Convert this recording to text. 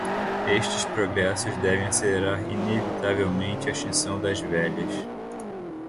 Estes progressos devem acelerar inevitavelmente a extinção das velhas